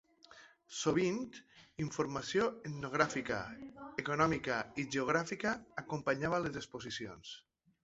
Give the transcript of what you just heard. Sovint, informació etnogràfica, econòmica i geogràfica acompanyava les exposicions.